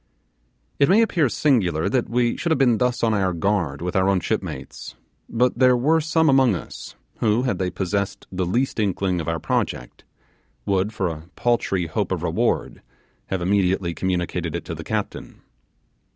It may appear singular that we should have been thus on our guard with our own shipmates; but there were some among us who, had they possessed the least inkling of our project, would, for a paltry hope of reward, have immediately communicated it to the captain.